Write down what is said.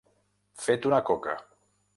Fet una coca.